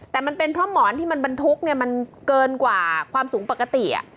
แต่มันเป็นเพราะหมอนที่มันบรรทุกมันเกินกว่าความสูงปกติ